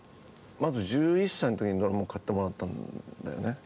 まず１１歳の時にドラムを買ってもらったんだよね。